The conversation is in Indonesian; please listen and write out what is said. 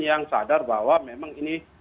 yang sadar bahwa memang ini